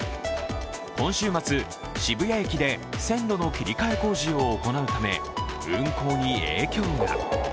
今週末、渋谷駅で線路の切り替え工事を行うため、運行に影響が。